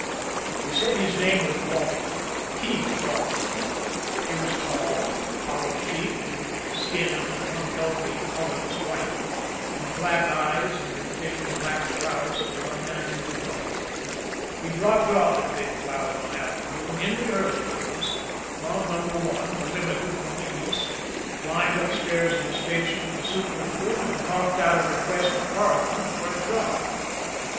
He said his name was Walton P. Walton. He was tall, hollow cheeked, with skin of an unhealthy, colorless white, and black eyes under thin, black brows that were unnaturally bright. He dropped off at Big Cloud one afternoon in the early days from No. 1, the Limited from the East, climbed upstairs in the station to the super's room, and coughed out a request to Carleton for a job.